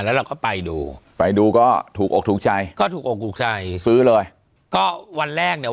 แล้วเราก็ไปดูไปดูก็ถูกอกถูกใจก็ถูกอกถูกใจซื้อเลยก็วันแรกเนี่ย